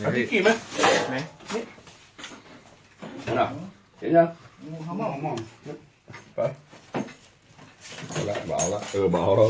สวัสดีครับคนในวันดำแขวน๕